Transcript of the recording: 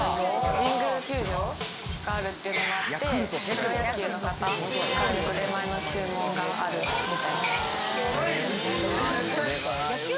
神宮球場があるっていうのもあってプロ野球の方からよく出前の注文があるみたいです。